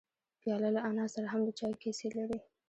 پیاله له انا سره هم د چایو کیسې لري.